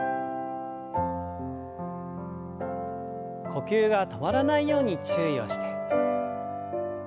呼吸が止まらないように注意をして。